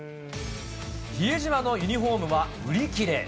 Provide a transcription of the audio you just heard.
比江島のユニホームは売り切れ。